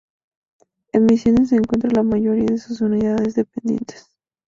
En Misiones se encuentra la mayoría de sus unidades dependientes.